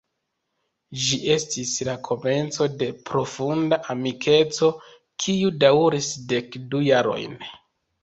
Ĝi estis la komenco de profunda amikeco kiu daŭris dek du jarojn.